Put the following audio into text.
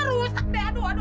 aduh aduh aduh